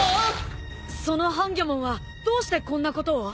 そのハンギョモンはどうしてこんなことを？